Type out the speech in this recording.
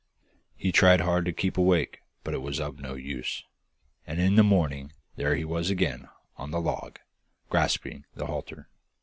He tried hard to keep awake, but it was of no use, and in the morning there he was again on the log, grasping the halter.